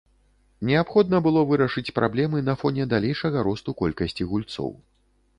Неабходна было вырашыць праблемы на фоне далейшага росту колькасці гульцоў.